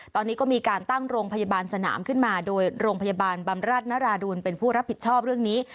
ตอนนี้ก็มีการตั้งโรงพยาบาลสนามขึ้นมาโดยโรงพยาบาลบำราชนราดูลเป็นผู้รับผิดชอบเรื่องนี้